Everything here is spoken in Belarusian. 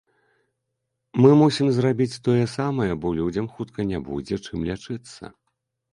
Мы мусім зрабіць тое самае, бо людзям хутка не будзе чым лячыцца.